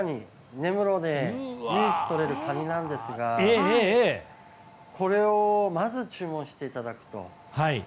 根室でとれるカニなんですがこれをまず注文していただくと。